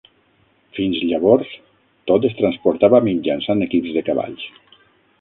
Fins llavors, tot es transportava mitjançant equips de cavalls.